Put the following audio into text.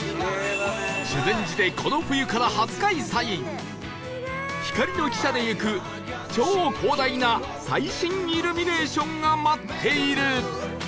修善寺でこの冬から初開催光の汽車で行く超広大な最新イルミネーションが待っている！